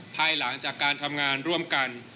ภายหลังจากการทำงานร่วมกัน